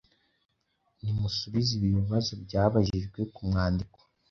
Nimusubize ibi bibazo byabajijwe ku mwandiko